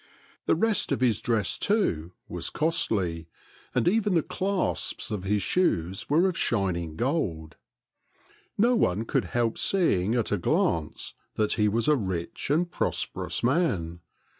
The rest of his dress, too, was costly, and even the clasps of his shoes were of shining gold. No one could help seeing at a glance that he was a rich and prosperous man.